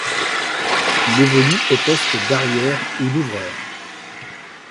Il évolue au poste d'arrière ou d'ouvreur.